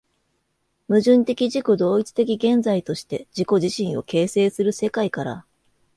矛盾的自己同一的現在として自己自身を形成する世界から、